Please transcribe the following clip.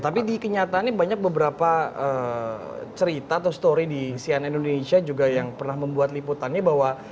tapi di kenyataannya banyak beberapa cerita atau story di sian indonesia juga yang pernah membuat liputannya bahwa